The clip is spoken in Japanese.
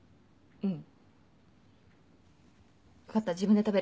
うん？